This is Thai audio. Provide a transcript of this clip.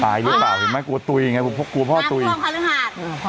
ตายหรือเปล่าเห็นไหมกลัวตุ๋ยไงกลัวพ่อตุ๋ยน้ำท่วมก็ลึกหาด